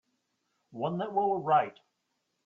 One that will write.